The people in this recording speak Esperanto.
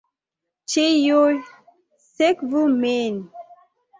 Ĉiuj sekvu min!